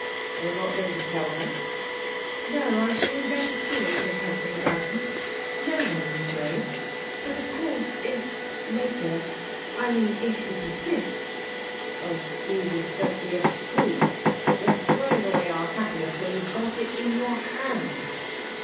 'You're not going to tell her?' 'No. I shall invent a story to account for his absence. No one need know. But, of course, if, later I mean if he persists ' 'Oh, Edith, don't be a fool! You're throwing away our happiness when you've got it in your hand.'